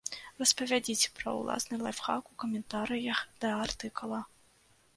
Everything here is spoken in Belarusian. Распавядзіце пра ўласны лайфхак у каментарыях да артыкула!